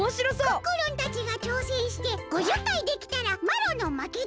クックルンたちがちょうせんして５０回できたらまろのまけでおじゃる。